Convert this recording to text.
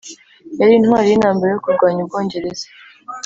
yari intwari yintambara yo kurwanya ubwongereza.